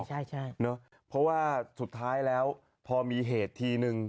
ใช่ใช่เนอะเพราะว่าสุดท้ายแล้วพอมีเหตุทีนึง